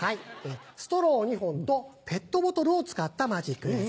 ストロー２本とペットボトルを使ったマジックです。